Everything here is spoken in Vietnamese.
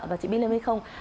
và chị bi lê mới không